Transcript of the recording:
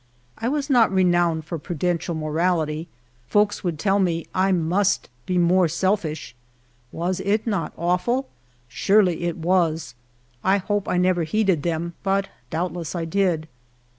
I was not renowned for prudential morality ; folks would tell nie I must be more sellish — was it not awful ? Surely it was. T hope I never heeded them, but doubtless I did.